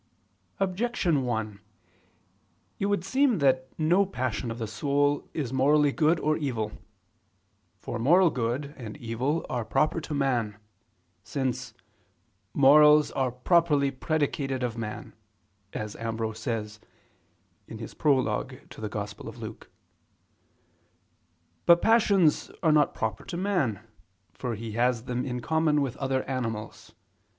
Objection 1: It would seem that no passion of the soul is morally good or evil. For moral good and evil are proper to man: since "morals are properly predicated of man," as Ambrose says (Super Luc. Prolog.). But passions are not proper to man, for he has them in common with other animals.